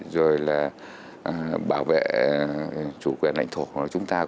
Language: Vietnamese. rồi là bảo vệ chủ quyền lãnh thổ chúng ta